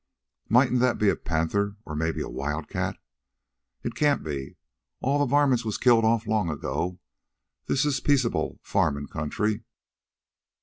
"Mightn't that be a panther, or maybe... a wildcat?" "It can't be. All the varmints was killed off long ago. This is peaceable farmin' country."